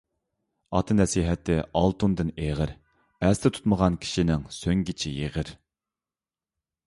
ئاتا نەسىھەتى ئالتۇندىن ئېغىر، ئەستە تۇتمىغان كىشىنىڭ سۆڭگىچى يېغىر.